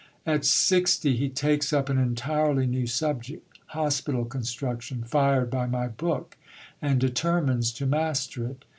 At 60, he takes up an entirely new subject, Hospital Construction, fired by my book, and determines to master it.